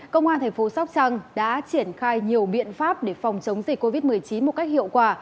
công an thành phố sóc trăng đã triển khai nhiều biện pháp để phòng chống dịch covid một mươi chín một cách hiệu quả